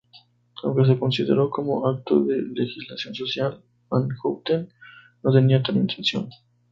Aunque es considerado como acto de legislación social, Van Houten no tenía tal intención.